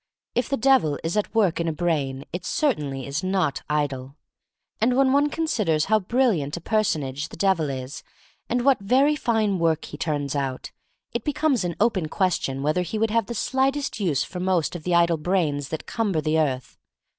If the Devil is at work in a brain it certainly is not idle. And when one considers how brilliant a personage the Devil is, and what very fine work he turns out, it becomes an open question whether he would have the slightest use for most of the idle brains that cumber the earth.